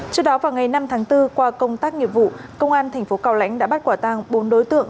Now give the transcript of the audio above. trước đó vào ngày năm tháng bốn qua công tác nghiệp vụ công an tp cao lãnh đã bắt quả tăng bốn đối tượng